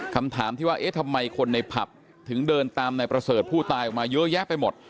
คำถามที่ว่าเอ๊ะทำไมคนในผับถึงเดินตามนายประเสริฐผู้ตายออกมาเยอะแยะไปหมด